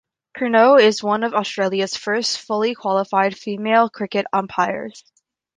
Kernot was one of Australia's first fully qualified female cricket umpires.